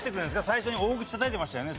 最初に大口たたいてましたよね